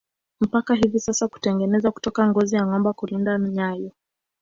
Mpaka hivi sasa hutengeneza kutoka ngozi ya ngombe kulinda nyayo